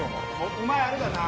お前あれだよな。